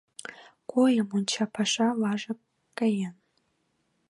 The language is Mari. Койо, монча паша важык каен.